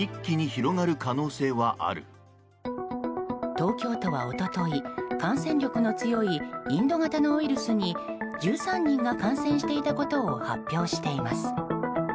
東京都は一昨日、感染力の強いインド型のウイルスに１３人が感染していたことを発表しています。